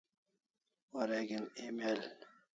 Wareg'in email